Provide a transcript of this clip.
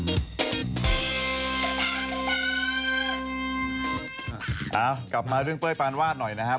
กลับมาเรื่องเป้ยปานวาดหน่อยนะครับ